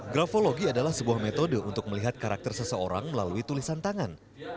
grafologi adalah sebuah metode untuk melihat karakter seseorang melalui tulisan tangan